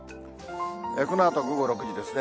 このあと午後６時ですね。